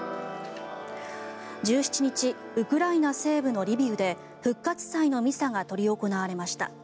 １７日ウクライナ西部のリビウで復活祭のミサが執り行われました。